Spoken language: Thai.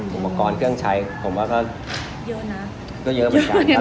ผมว่าก่อนเครื่องใช้ผมว่าก็เยอะเหมือนกัน